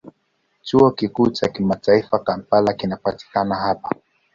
Chuo Kikuu cha Kimataifa cha Kampala kinapatikana hapa.